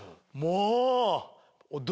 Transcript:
もう。